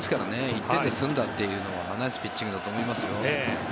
１点で済んだというのはナイスピッチングだと思いますよ。